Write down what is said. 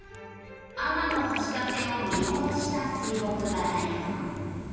天橋立を見下ろした水墨画だよ